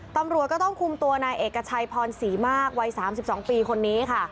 ตำรวจก็ต้องคุมตัวนายเอกชัยพรศรีมากวัย๓๒ปีคนนี้ค่ะ